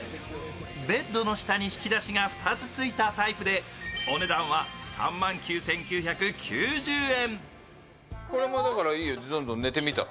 ベッドの下に引き出しが２つついたタイプでお値段は３万９９９０円。